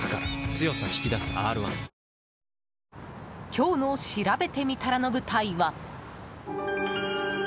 今日のしらべてみたらの舞台は。